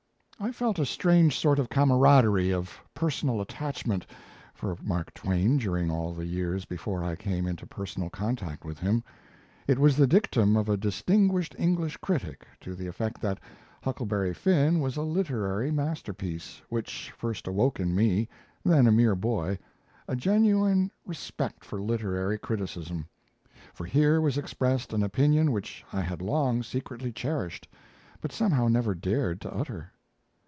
I felt a strange sort of camaraderie, of personal attachment, for Mark Twain during all the years before I came into personal contact with him. It was the dictum of a distinguished English critic, to the effect that Huckleberry Finn was a literary masterpiece, which first awoke in me, then a mere boy, a genuine respect for literary criticism; for here was expressed an opinion which I had long secretly cherished, but somehow never dared to utter!